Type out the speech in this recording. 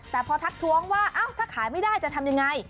แต่พอทักท้วงว่าถ้าขายไม่ได้จะทำยังไง